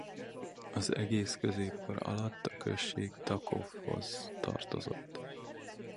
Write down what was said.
Az egész középkor alatt a község Tachovhoz tartozott.